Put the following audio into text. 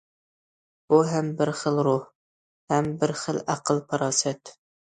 بۇ ھەم بىر خىل روھ، ھەم بىر خىل ئەقىل- پاراسەت.